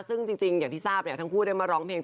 ซึ่งจริงอย่างที่ทราบเนี่ยทั้งคู่ได้มาร้องเพลง